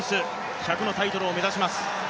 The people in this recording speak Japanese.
１００のタイトルを目指します。